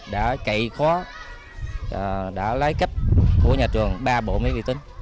đã cậy khó đã lấy cách của nhà trường ba bộ máy tính